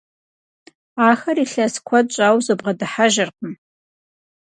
Ахэр илъэс куэд щӏауэ зыбгъэдыхьэжыркъым.